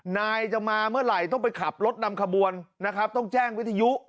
นายจะมาเมื่อไหร่ต้องไปขับรถนำขบวนนะครับต้องแจ้งวิทยุ